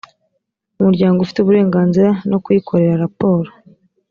umuryango ufite uburenganzira no kuyikorera raporo